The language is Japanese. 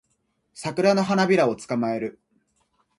サクラの花びらを捕まえる